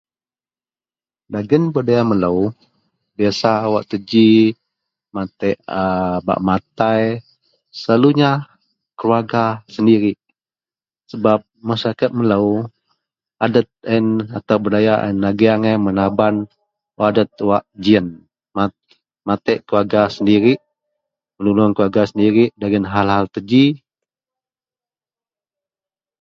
dagen budaya melou biasa wak itou ji matek a bak matai selalunya keluarga sendirik sebab masyarakat melou adet a yen atau budaya a yen, agei agai menaban adet wak ji ien, matek keluarga sendirik, menulung keluarga sendirik dagen hal- hal itou ji